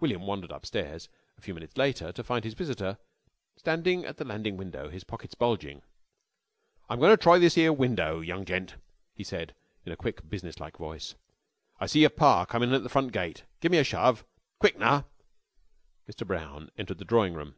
William wandered upstairs a few minutes later to find his visitor standing at the landing window, his pockets bulging. "I'm goin' to try this 'ere window, young gent," he said in a quick, business like voice. "I see yer pa coming in at the front gate. Give me a shove. Quick, nar." Mr. Brown entered the drawing room.